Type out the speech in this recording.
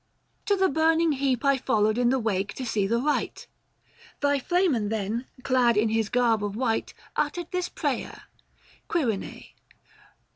To the burning heap I followed in the wake to see the rite. Thy Flamen then, clad in his garb of white, 1060 Uttered this prayer, Quirine.